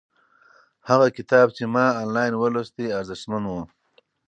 هغه کتاب چې ما آنلاین ولوست ارزښتمن و.